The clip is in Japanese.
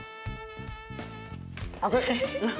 熱い！